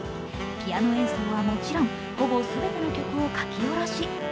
ピアノ演奏はもちろんほぼ全ての曲を書き下ろし。